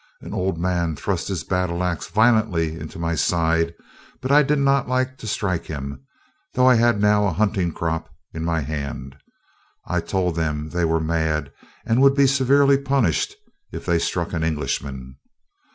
An old man thrust his battle axe violently into my side, but I did not like to strike him, though I had now a hunting crop in my hand. I told them they were mad and would be severely punished if they struck an Englishman.